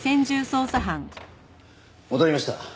戻りました。